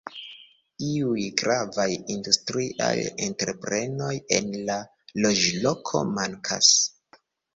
Iuj gravaj industriaj entreprenoj en la loĝloko mankas.